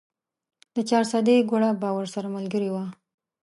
د چارسدې ګوړه به ورسره ملګرې وه.